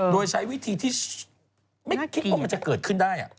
โดยใช้วิธีที่ไม่คิดว่ามันจะเกิดขึ้นได้